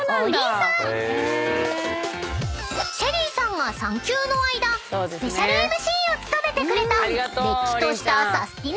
［ＳＨＥＬＬＹさんが産休の間スペシャルＭＣを務めてくれたれっきとしたサスティな！